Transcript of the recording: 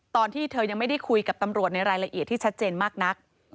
ตอนที่เธอยังไม่ได้คุยกับตำรวจในรายละเอียดที่ชัดเจนมากนัก